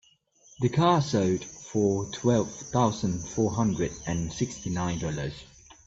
The car sold for twelve thousand four hundred and sixty nine Dollars.